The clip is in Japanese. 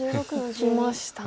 いきましたね。